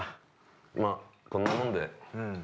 まあこんなもんで。